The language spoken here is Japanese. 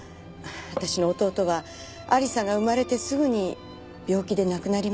私の弟は亜理紗が生まれてすぐに病気で亡くなりました。